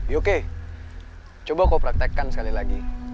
oke coba kau praktekkan sekali lagi